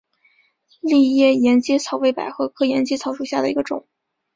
丽叶沿阶草为百合科沿阶草属下的一个种。